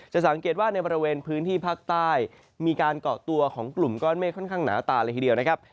สังเกตว่าในบริเวณพื้นที่ภาคใต้มีการเกาะตัวของกลุ่มก้อนเมฆค่อนข้างหนาตาเลยทีเดียวนะครับ